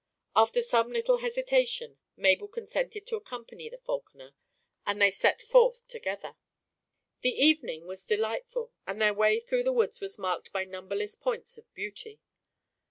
After some little hesitation Mabel consented to accompany the falconer, and they set forth together. The evening was delightful, and their way through the woods was marked by numberless points of beauty.